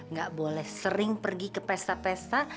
nggak boleh sering pergi ke pesta pesa